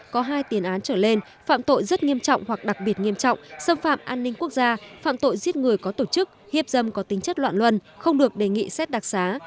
có hai tiền án trở lên phạm tội rất nghiêm trọng hoặc đặc biệt nghiêm trọng xâm phạm an ninh quốc gia phạm tội giết người có tổ chức hiếp dâm có tính chất loạn luân không được đề nghị xét đặc xá